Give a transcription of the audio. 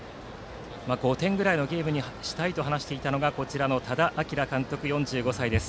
５点ぐらいのゲームにしたいと話していたのが履正社の多田晃監督、４５歳。